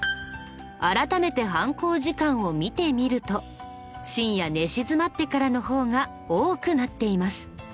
改めて犯行時間を見てみると深夜寝静まってからの方が多くなっています。